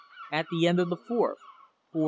At the end of the fourth, 477,881.